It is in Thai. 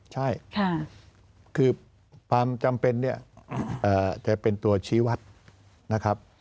ใช่คือความจำเป็นจะเป็นตัวชีวัตต์นะครับ